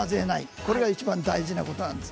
これがいちばん大事なことです。